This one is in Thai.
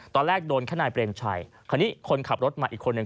ตอนแรกโดนแค่นายเปรมชัยคราวนี้คนขับรถมาอีกคนหนึ่ง